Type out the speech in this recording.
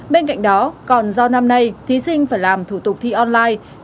bên cạnh đó còn do năm nay thí sinh phải làm thủ tục thi online